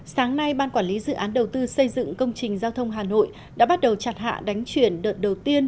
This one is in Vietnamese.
sáng nay ban quản lý dự án đầu tư xây dựng công trình giao thông hà nội đã bắt đầu chặt hạ đánh chuyển đợt đầu tiên